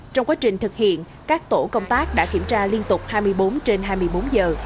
trong quá trình thực hiện các tổ công tác đã kiểm tra liên tục hai mươi bốn trên hai mươi bốn giờ